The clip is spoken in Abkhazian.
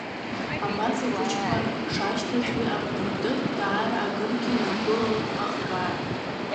Абас ахәыҷқәа шашьҭаз уи абнакәты, даара акыргьы инагәылалт ахкаара.